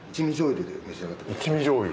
一味じょう油